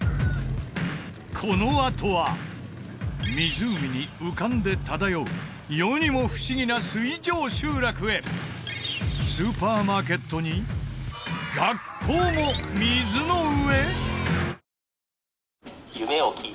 このあとは湖に浮かんで漂う世にも不思議な水上集落へスーパーマーケットに学校も水の上？